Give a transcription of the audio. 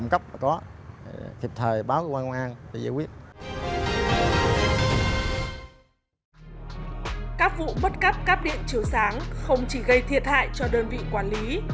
các vụ bất cắp cắp điện chiều sáng không chỉ gây thiệt hại cho đơn vị quản lý